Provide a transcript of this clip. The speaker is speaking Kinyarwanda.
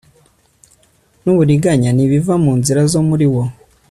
n uburiganya ntibiva mu nzira zo muri wo